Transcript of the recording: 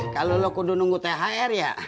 kalau lo kudo nunggu thr ya